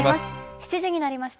７時になりました。